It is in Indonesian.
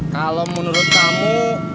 kalau menurut kamu